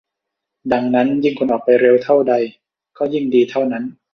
ดังนั้นยิ่งคุณออกไปเร็วเท่าใดก็ยิ่งดีเท่านั้น